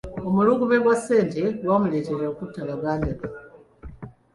Omulugube gwa ssente gwamuleetera okutta baganda be.